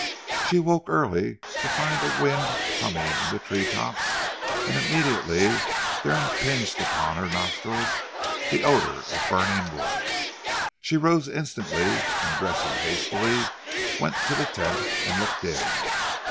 She awoke early to find a wind humming in the tree tops and immediately there impinged upon her nostrils the odour of burning wood. She rose instantly and dressing hastily went to the tent and looked in.